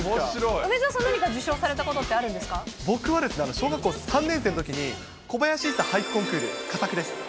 梅澤さん、何か受賞されたこ僕はですね、小学校３年生のときに小林一茶俳句コンクール佳作です。